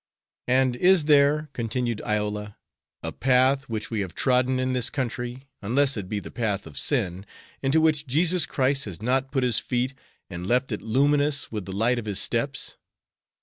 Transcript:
"And is there," continued Iola, "a path which we have trodden in this country, unless it be the path of sin, into which Jesus Christ has not put His feet and left it luminous with the light of His steps?